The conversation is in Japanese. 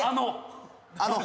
あの？